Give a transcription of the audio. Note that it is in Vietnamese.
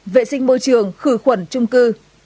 vệ sinh môi trường khử khuẩn chung cư